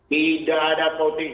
tidak ada voting